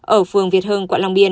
ở phường việt hưng quận long biên